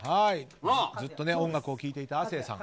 ずっと音楽を聴いていた亜生さん。